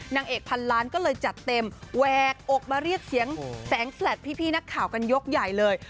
นางเอกพันล้านก็เลยจัดเต็มแหวกอกมาเรียกเสียงแสงแฟลตพี่นักข่าวกันยกใหญ่เลย